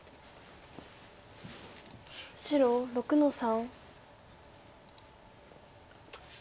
白６の三。